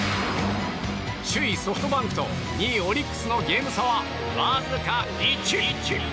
首位ソフトバンクと２位オリックスのゲーム差はわずか１。